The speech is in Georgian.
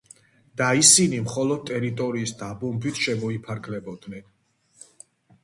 და ისინი მხოლოდ ტერიტორიის დაბომბვით შემოიფარგლებოდნენ.